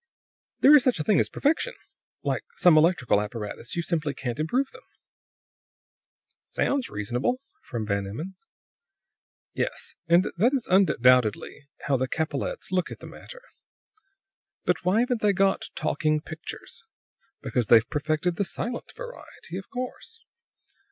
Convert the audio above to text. "There is such a thing as perfection. Like some electrical apparatus; you simply can't improve them." "Sounds reasonable," from Van Emmon. "Yes. And that is undoubtedly how the Capellettes look at the matter. "Why haven't they got talking pictures? Because they've perfected the silent variety, of course.